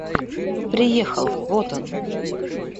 Приехал, вот он.